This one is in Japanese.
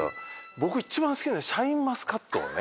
僕一番好きなシャインマスカットをね。